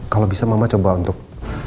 kalau bisa mama coba untuk